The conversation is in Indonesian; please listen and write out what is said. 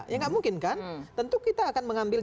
ya nggak mungkin kan tentu kita akan mengambil